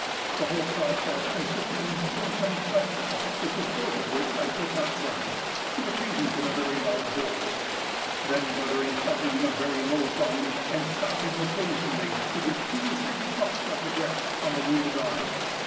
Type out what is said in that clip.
The whole process consisted in putting some questions (the purport of which I could not learn) to the patient in a very loud voice, then muttering something in a very low tone, and stopping occasionally to give two or three puffs of the breath on the wounded arm.